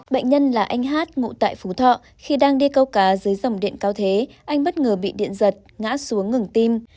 bệnh nhân là anh hát ngụ tại phú thọ khi đang đi câu cá dưới dòng điện cao thế anh bất ngờ bị điện giật ngã xuống ngừng tim